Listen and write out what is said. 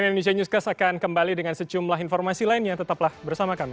cnn indonesia newscast akan kembali dengan secumlah informasi lainnya tetaplah bersama kami